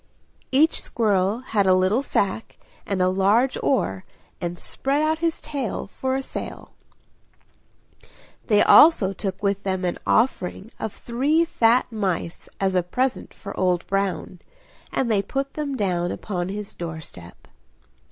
Each squirrel had a little sack and a large oar, and spread out his tail for a sail. They also took with them an offering of three fat mice as a present for Old Brown, and put them down upon his door step.